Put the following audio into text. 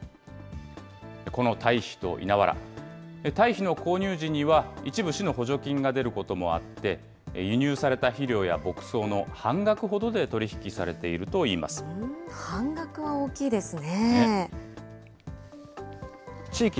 この堆肥と稲わら、堆肥の購入時には一部、市の補助金が出ることもあって、輸入された肥料や牧草の半額ほどで取り引きされている半額は大きいですね。